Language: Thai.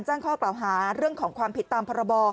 แจ้งข้อกล่าวหาเรื่องของความผิดตามพรบ